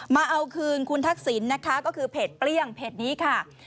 มาเอาคืนคุณทักษิณนะคะก็คือเพจเปลี้ยงเพจนี้ค่ะ